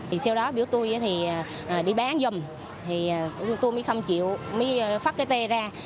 thì sau đó biểu tôi thì đi bán giùm thì tôi mới không chịu mới phát cái tê ra